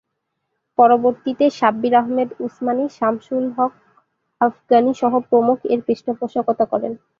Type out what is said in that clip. পরবর্তীতে শাব্বির আহমেদ উসমানি, শামসুল হক আফগানি সহ প্রমুখ এর পৃষ্ঠপোষকতা করেন।